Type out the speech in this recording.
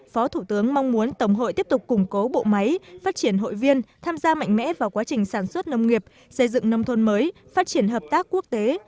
phó thủ tướng mong muốn tổng hội tiếp tục củng cố bộ máy phát triển hội viên tham gia mạnh mẽ vào quá trình sản xuất nông nghiệp xây dựng nông thôn mới phát triển hợp tác quốc tế